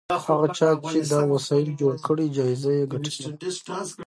هغه چا چې دا وسایل جوړ کړي جایزه یې ګټلې ده.